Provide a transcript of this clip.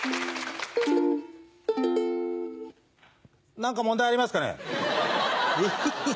何か問題ありますかね？